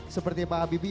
seperti pak habibie